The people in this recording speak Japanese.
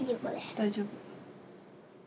大丈夫。